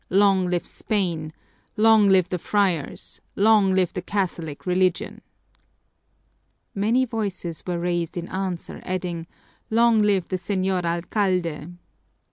Long live Spain! Long live the friars! Long live the Catholic Religion!" Many voices were raised in answer, adding, "Long live the Señor Alcalde!"